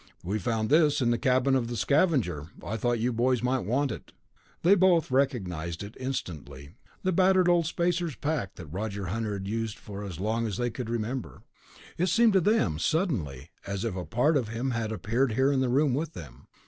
"We found this in the cabin of the Scavenger. I thought you boys might want it." They both recognized it instantly ... the battered old spacer's pack that Roger Hunter had used for as long as they could remember. It seemed to them, suddenly, as if a part of him had appeared here in the room with them.